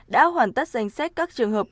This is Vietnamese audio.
đã hoàn tất danh sách các trường hợp